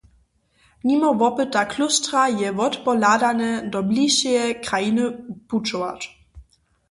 Nimo wopyta klóštra je wotpohladane, do blišeje krajiny pućować.